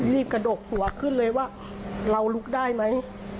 กระดกหัวขึ้นเลยว่าเราลุกได้ไหม